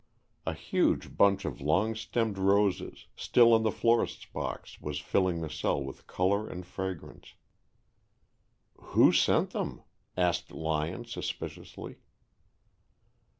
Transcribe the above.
A huge bunch of long stemmed roses, still in the florist's box, was filling the cell with color and fragrance. "Who sent them?" asked Lyon suspiciously.